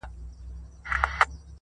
نه چي دا سپرلی دي بې وخته خزان سي,